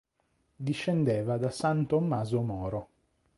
Discendeva da san Tommaso Moro.